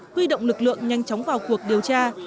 huy động lực lượng nhanh chóng vào cuộc điều tra